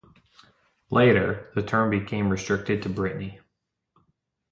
Later, the term became restricted to Brittany.